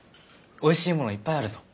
おいしいものいっぱいあるぞ。